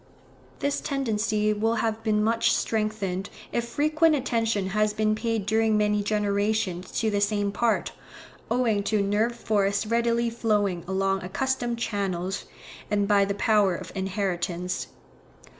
This tendency will have been much strengthened, if frequent attention has been paid during many generations to the same part, owing to nerve force readily flowing along accustomed channels, and by the power of inheritance.